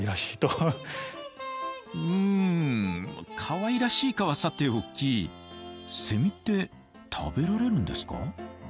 うんかわいらしいかはさておきセミって食べられるんですか？